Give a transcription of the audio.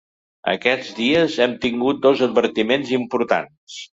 Aquests dies hem tingut dos advertiments importants.